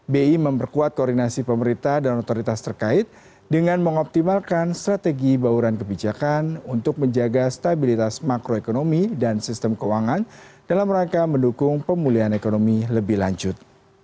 bi memperkuat koordinasi pemerintah dan otoritas terkait dengan mengoptimalkan strategi bauran kebijakan untuk menjaga stabilitas makroekonomi dan sistem keuangan dalam rangka mendukung pemulihan ekonomi lebih lanjut